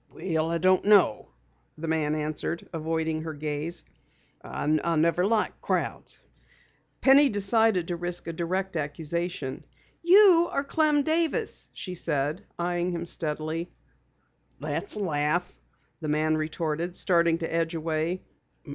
"Well, I don't know," the man answered, avoiding her gaze. "I never liked crowds." Penny decided to risk a direct accusation. "You are Clem Davis," she said, eyeing him steadily. "That's a laugh," the man retorted, starting to edge away.